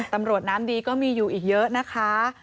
ตำรวจน้ำดีก็มีอยู่อีกเยอะนะคะ